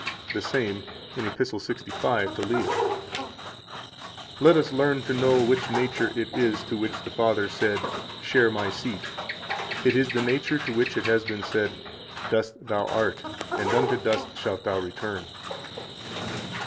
88 The same, in Epist. 65 to Leo: "Let us learn to know which nature it is to which the Father said, Share My seat. It is that nature to which it has been said, 'Dust thou art, and unto dust shalt thou return.'"